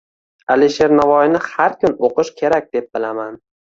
Alisher Navoiyni har kun o‘qish kerak deb bilaman.